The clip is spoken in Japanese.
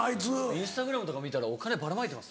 インスタグラムとか見たらお金バラまいてますよ。